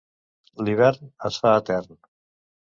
L'hivern es fa etern.